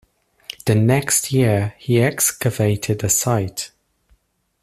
The next year, he excavated the site.